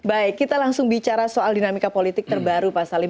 baik kita langsung bicara soal dinamika politik terbaru pak salim